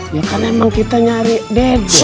ya kan emang kita nyari deh